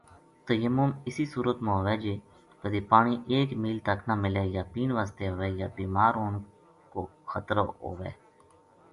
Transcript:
تیمم اسی صورت ما ہووے جے کدے پانی ایک میل تک نہ ملے یا پین وسطے ہووے یا بیمار ہون کو خطرو ہووے